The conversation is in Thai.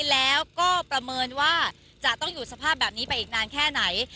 แล้วก็ประเมินว่าจะต้องอยู่สภาพแบบนี้ไปอีกนานแค่ไหน